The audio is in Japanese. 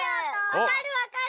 わかるわかる。